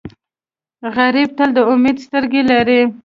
غریب تل د امید سترګې لري